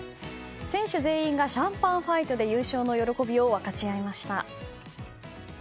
選手全員がシャンパンファイトで優勝の喜びを分かち合いました。